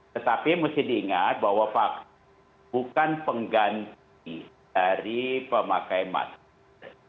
tetapi mesti diingat bahwa vaksin bukan pengganti dari pemakai masker